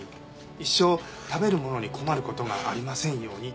「一生食べるものに困る事がありませんように」